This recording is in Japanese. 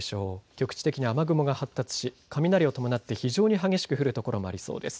局地的に雨雲が発達し雷を伴って非常に激しく降る所もありそうです。